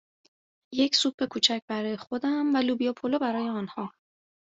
یک سوپ کوچک برای خودم و لوبیا پلو برای آنها